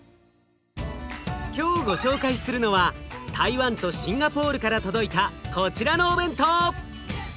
今日ご紹介するのは台湾とシンガポールから届いたこちらのお弁当。